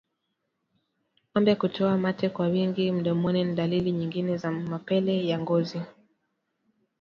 Ngombe kutoa mate kwa wingi mdomoni ni dalili nyingine ya mapele ya ngozi